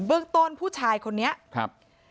เรื่องต้นผู้ชายคนนี้ครับ